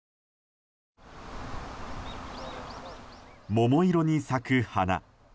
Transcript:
桃色に咲く花。